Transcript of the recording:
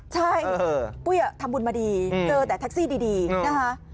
ใช่ทำบุญมาดีแต่แท็กซี่ดีนะฮะ